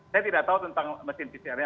saya tidak tahu tentang mesin pcrnya